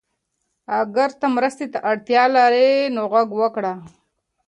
اگر ته مرستې ته اړتیا لرې نو غږ وکړه.